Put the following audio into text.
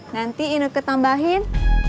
nanti inukut tambahin